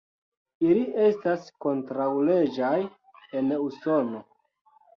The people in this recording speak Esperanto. Ili estas kontraŭleĝaj en Usono.